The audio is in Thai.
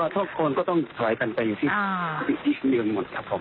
ทุกคนก็ต้องถอยกันไปอยู่ที่อีกเดือนหมดครับผม